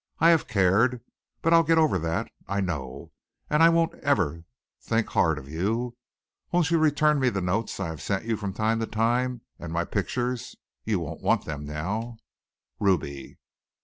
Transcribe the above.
I have cared but I'll get over that, I know, and I won't ever think hard of you. Won't you return me the notes I have sent you from time to time and my pictures? You won't want them now. "Ruby."